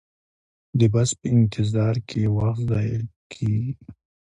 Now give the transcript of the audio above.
د بس په انتظار کې وخت ضایع کیږي